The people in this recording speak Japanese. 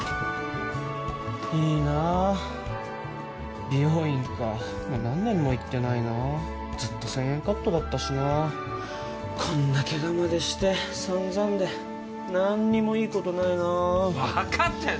いいな美容院かもう何年も行ってないなずっと１０００円カットだったしなこんなケガまでしてさんざんで何にもいいことないな分かったよ！